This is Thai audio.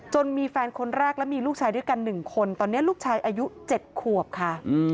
มีแฟนคนแรกและมีลูกชายด้วยกัน๑คนตอนนี้ลูกชายอายุ๗ขวบค่ะ